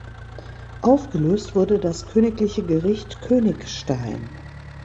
Aufgelöst wurde das Königliche Gericht Königstein.